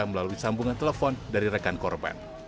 melalui sambungan telepon dari rekan korban